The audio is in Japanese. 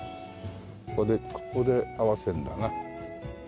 ここでここで合わせるんだな。